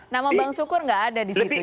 nama bang sukur nggak ada di situ ya